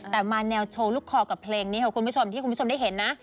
แต่มาแนวโชว์ลูกคอกับเพลงนี้ค่ะคุณผู้ชมที่คุณผู้ชมได้เห็นนะ